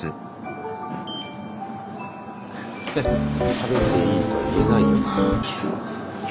食べていいとは言えないよな。